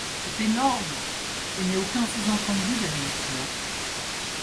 C’est énorme ! Il n’y a aucun sous-entendu derrière cela.